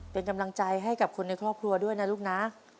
เป็นกำลังใจให้กับคนในครอบครัวด้วยนะลูกนะ